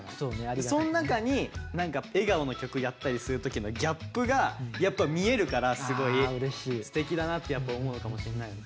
そん中に笑顔の曲やったりする時のギャップがやっぱ見えるからすごいすてきだなってやっぱ思うかもしんないよね。